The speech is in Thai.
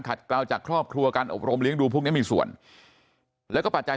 กล่าวจากครอบครัวการอบรมเลี้ยงดูพวกนี้มีส่วนแล้วก็ปัจจัย